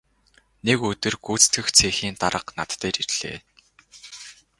Нэг өдөр гүйцэтгэх цехийн дарга над дээр ирлээ.